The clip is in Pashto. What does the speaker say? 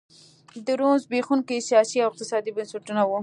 د روم زبېښونکي سیاسي او اقتصادي بنسټونه وو